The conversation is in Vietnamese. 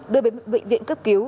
đưa đến bệnh viện cấp cứu